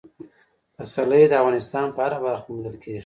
پسرلی د افغانستان په هره برخه کې موندل کېږي.